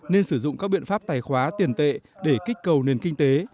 nên sử dụng các biện pháp tài khoá tiền tệ để kích cầu nền kinh tế